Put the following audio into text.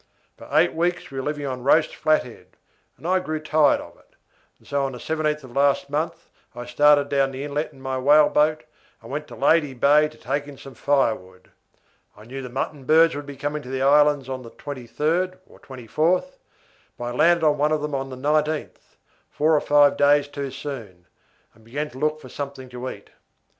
For eight weeks we were living on roast flat head, and I grew tired of it, so on the 17th of last month I started down the inlet in my whaleboat, and went to Lady Bay to take in some firewood. I knew the mutton birds would be coming to the islands on the 23rd or 24th, but I landed on one of them on the 19th, four or five days too soon, and began to look for something to eat.